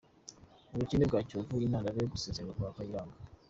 Ubukene bwa Kiyovu intandaro yo gusezera kwa Kayiranga